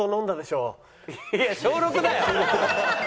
いや小６だよ！